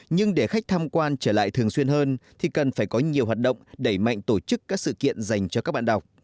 nhưng để khách tham quan trở lại thường xuyên hơn thì cần phải có nhiều hoạt động đẩy mạnh tổ chức các sự kiện dành cho các bạn đọc